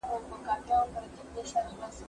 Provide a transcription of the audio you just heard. هغه څوک چې درس لولي بریالی کېږي!.